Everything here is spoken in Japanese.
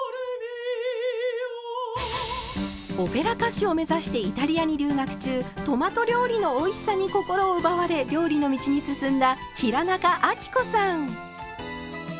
オペラ歌手を目指してイタリアに留学中トマト料理のおいしさに心を奪われ料理の道に進んだ平仲亜貴子さん。